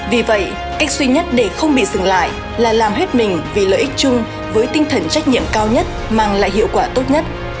vì vậy cách duy nhất để không bị dừng lại là làm hết mình vì lợi ích chung với tinh thần trách nhiệm cao nhất mang lại hiệu quả tốt nhất